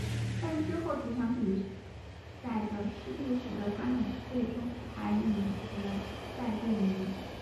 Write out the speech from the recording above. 但之后几场比赛的失利使得他们最终排名联赛第五名。